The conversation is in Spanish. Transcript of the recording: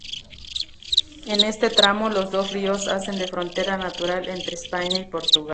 En este tramo los dos ríos hacen de frontera natural entre España y Portugal.